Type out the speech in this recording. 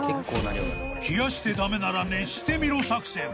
［冷やして駄目なら熱してみろ作戦］